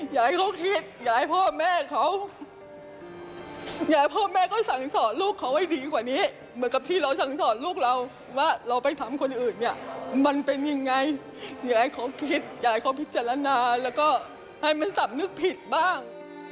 อยากให้เขาคิดอยากให้พ่อแม่เขาอยากให้พ่อแม่ก็สั่งสอนลูกเขาให้ดีกว่านี้เหมือนกับที่เราสั่งสอนลูกเราว่าเราไปทำคนอื่นเนี่ยมันเป็นยังไงอยากให้เขาคิดอยากให้เขาพิจารณาแล้วก็ให้มันสำนึกผิดบ้าง